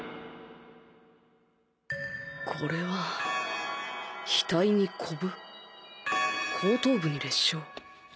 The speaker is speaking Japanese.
これは額にコブ後頭部に裂傷